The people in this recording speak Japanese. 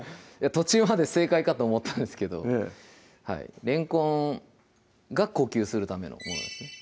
途中まで正解かと思ったんですけどれんこんが呼吸するためのものなんですね